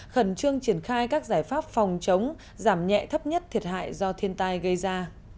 khẩn trương triển khai các giải pháp phòng chống giảm nhẹ thấp nhất thiệt hại do thiên tai gây ra